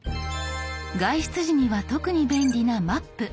外出時には特に便利な「マップ」。